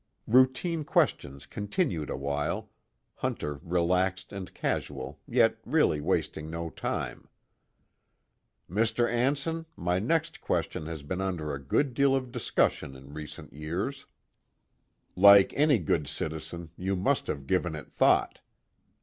Routine questions continued a while, Hunter relaxed and casual yet really wasting no time.... "Mr. Anson, my next question has been under a good deal of discussion in recent years. Like any good citizen, you must have given it thought.